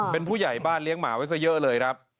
เป็นผู้ใหญ่บ้านเลี้ยงหมาไว้ซะเยอะเลยครับ